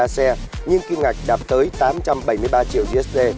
hai trăm năm mươi ba xe nhưng kim ngạch đạt tới tám trăm bảy mươi ba triệu usd